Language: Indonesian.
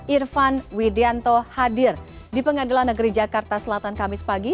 irfan widianto hadir di pengadilan negeri jakarta selatan kamis pagi